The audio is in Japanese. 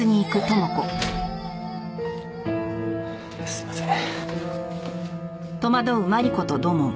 すいません。